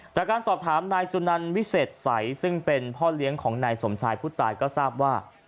จากการสอบถามนายสุนันวิเศษใสซึ่งเป็นพ่อเลี้ยงของนายสมชายผู้ตายก็ทราบว่า